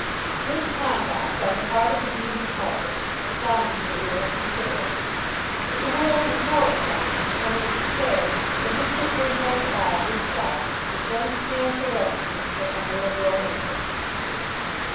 This conduct on the part of the "Evening Pulpit" astonished the world considerably; but the world was more astonished when it was declared that Mr. Ferdinand Alf himself was going to stand for Westminster on the Liberal interest.